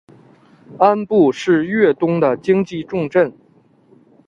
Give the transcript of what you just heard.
庵埠是粤东的经济重镇。